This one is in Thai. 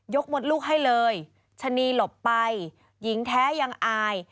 มดลูกให้เลยชะนีหลบไปหญิงแท้ยังอาย